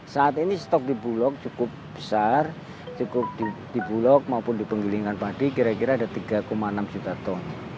saat ini stok di bulog cukup besar cukup di bulog maupun di penggilingan padi kira kira ada tiga enam juta ton